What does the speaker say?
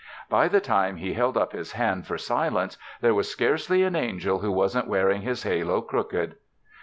By the time He held up His hand for silence, there was scarcely an angel who wasn't wearing his halo crooked.